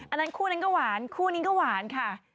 อันนั้นคู่นั้นก็หวานคู่นี้ก็หวานค่ะ